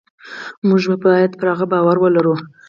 موږ باید پر هغه باور ولرو.